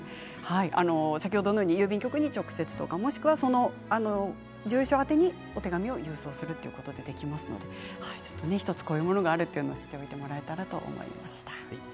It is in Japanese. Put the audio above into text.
先ほどのように郵便局に直接とかもしくは住所宛にお手紙を郵送するということでできますので１つこういうものがあるということを知ってもらえたらと思います。